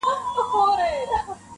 له دوو غټو ښکلیو سترګو-